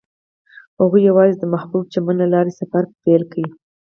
هغوی یوځای د محبوب چمن له لارې سفر پیل کړ.